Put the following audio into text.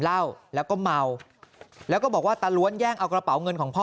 เหล้าแล้วก็เมาแล้วก็บอกว่าตาล้วนแย่งเอากระเป๋าเงินของพ่อ